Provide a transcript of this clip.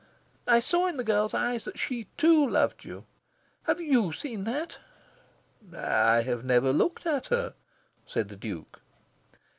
I saw in the girl's eyes that she, too, loved you. Have YOU seen that?" "I have never looked at her," said the Duke.